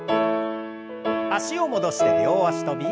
脚を戻して両脚跳び。